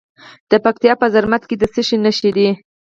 د پکتیا په زرمت کې د څه شي نښې دي؟